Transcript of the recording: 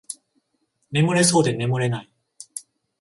眠れそうで眠れない